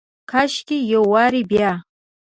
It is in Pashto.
کاشکي یو وارې بیا،